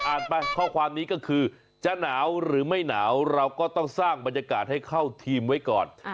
ไปข้อความนี้ก็คือจะหนาวหรือไม่หนาวเราก็ต้องสร้างบรรยากาศให้เข้าทีมไว้ก่อน